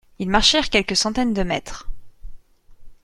Ils marchèrent quelques centaines de mètres.